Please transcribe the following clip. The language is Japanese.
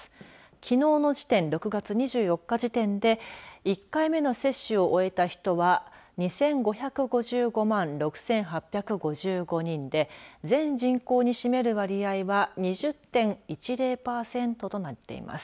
きのうの時点６月２４日時点で１回目の接種を終えた人は２５５５万６８５５人で全人口に占める割合は２０．１０パーセントとなっています。